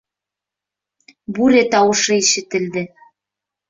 Бүре тауышы ишетелде.